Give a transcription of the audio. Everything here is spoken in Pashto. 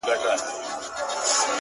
o پر كومه تگ پيل كړم،